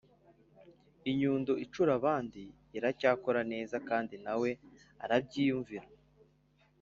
inyundo incura abandi iracyakora neza, kandi nawe urabyiyumvira".